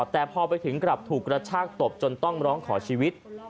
แต่พอไปถึงกลับถูกกระชากตบจนต้องร้องขอชีวิต